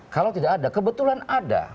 kalau tidak ada kebetulan ada